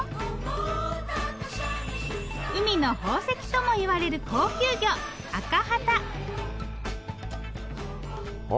「海の宝石」ともいわれる高級魚アカハタ。